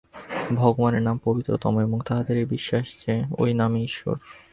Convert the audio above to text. ভগবানের নাম পবিত্রতম এবং তাহাদের এই বিশ্বাস ছিল যে, ঐ নামই ঈশ্বর।